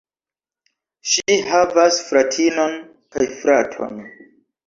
Ŝi havas fratinon kaj fraton.